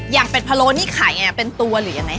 อย่างเป็ดพะโล้นี่ขายยังไงเป็นตัวหรือยังไง